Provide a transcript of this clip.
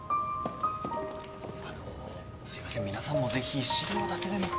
あのすいません皆さんもぜひ資料だけでも。